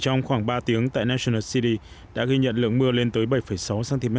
trong khoảng ba tiếng tại national city đã ghi nhận lượng mưa lên tới bảy sáu cm